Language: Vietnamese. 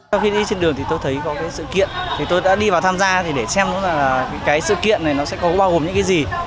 sau khi đi trên đường thì tôi thấy có cái sự kiện thì tôi đã đi vào tham gia thì để xem là cái sự kiện này nó sẽ có bao gồm những cái gì